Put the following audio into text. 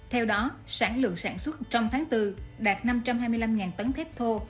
theo đó sản lượng sản xuất trong tháng bốn đạt năm trăm hai mươi năm tấn thép thô